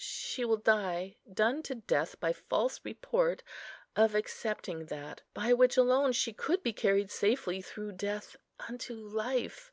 She will die, done to death by false report of accepting that, by which alone she could be carried safely through death unto life.